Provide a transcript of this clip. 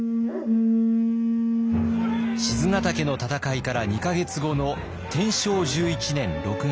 賤ヶ岳の戦いから２か月後の天正１１年６月。